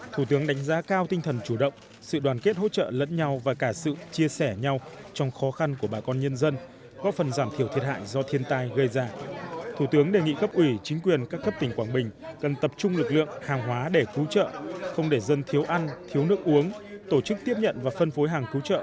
thủ tướng nguyễn xuân phúc đã vào quảng bình thiếu nước uống tổ chức tiếp nhận và phân phối hàng cứu trợ